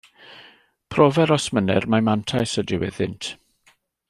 Profer, os mynner, mai mantais ydyw iddynt.